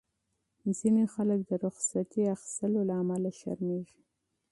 ځینې خلک د رخصتۍ اخیستو له امله شرمېږي.